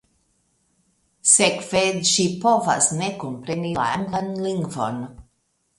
Sekve ĝi povas ne kompreni la anglan lingvon.